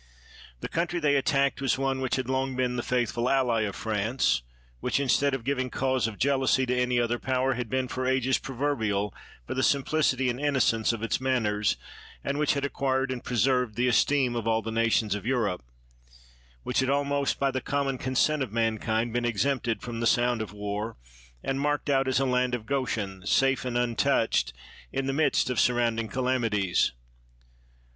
The country they attacked was one which had long been the faithful ally of France; which, instead of giving cause of jealoiisy to any other power, had been for ages proverbial for the simplicity and innocence of its manners, and which had acquired and preserved the esteem 10 PITT of all the nations of Europe; which had almost, by the common consent of mankind, been ex empted from the sound of war, and marked out as a land of Goshen, safe and untouched in the midst of surrounding calamities.